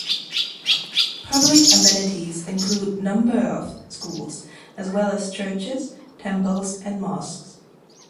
Public amenities include number of schools, as well as Churches, Temples and Mosques.